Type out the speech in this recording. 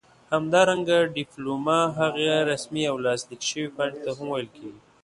همدارنګه ډيپلوما هغې رسمي او لاسليک شوي پاڼې ته هم ويل کيږي